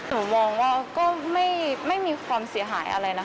หนูมองว่าก็ไม่มีความเสียหายอะไรนะคะ